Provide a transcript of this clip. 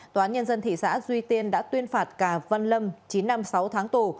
tòa án nhân dân thị xã duy tiên đã tuyên phạt cà văn lâm chín năm sáu tháng tù